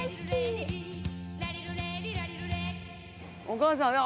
お母さん。